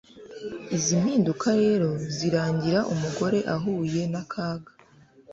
Izi mpinduka rero zirangira umugore ahuye nakaga